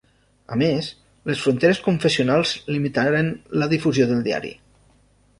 A més, les fronteres confessionals limitaren la difusió del diari.